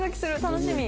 楽しみ。